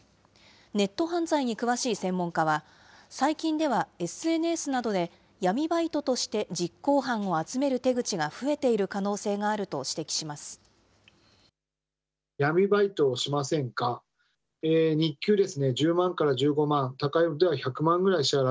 ネット犯罪に詳しい専門家は、最近ではＳＮＳなどで闇バイトとして実行犯を集める手口が増えている可能性があると指摘します。